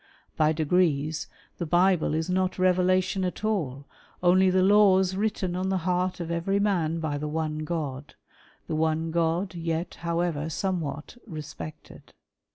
By degrees the Bible is not revelation at all — only the laws written on the heart of every man by the one God — the one God, yet, however, somewhat respected.